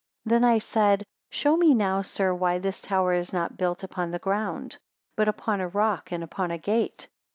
136 Then I said, Show me now sir, why this tower is not built upon the ground, but upon a rock, and upon the gate?